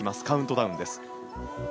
カウントダウンです。